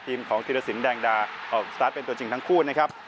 ของธิรสินแดงดาออกสตาร์ทเป็นตัวจริงทั้งคู่นะครับ